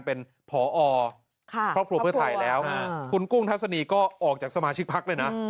เป็นผอครอบครัวเพื่อไทยแล้วคุณกุ้งทัศนีก็ออกจากสมาชิกพักเลยนะ